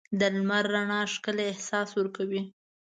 د لمر رڼا ښکلی احساس ورکوي.